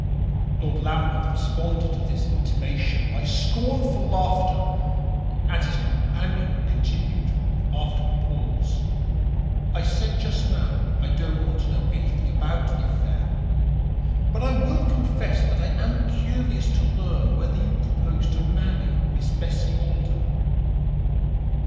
Lord Lambeth responded to this intimation by scornful laughter, and his companion continued, after a pause: "I said just now I didn't want to know anything about the affair; but I will confess that I am curious to learn whether you propose to marry Miss Bessie Alden."